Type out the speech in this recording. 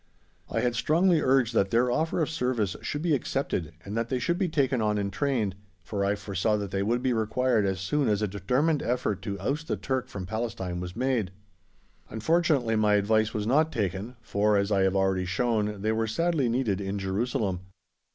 I had strongly urged that their offer of service should be accepted and that they should be taken on and trained, for I foresaw that they would be required as soon as a determined effort to oust the Turk from Palestine was made. Unfortunately, my advice was not taken, for, as I have already shown, they were sadly needed in Jerusalem.